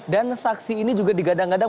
dan saksi ini juga digadang gadang